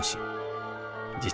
実は。